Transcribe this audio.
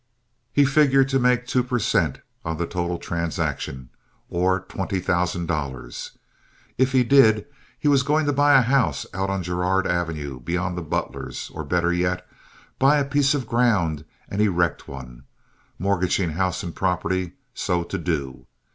He figured to make two per cent. on the total transaction, or twenty thousand dollars. If he did he was going to buy a house out on Girard Avenue beyond the Butlers', or, better yet, buy a piece of ground and erect one; mortgaging house and property so to do.